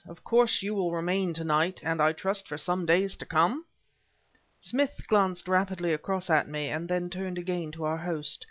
Of course you will remain tonight, and I trust for some days to come?" Smith glanced rapidly across at me, then turned again to our host.